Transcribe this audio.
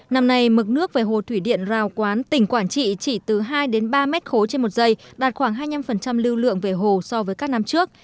năm nay mực nước về hồ thủy điện rào quán tỉnh quảng trị chỉ từ hai ba mét khối trên một giây đạt khoảng hai mươi năm lưu lượng về hồ so với các năm trước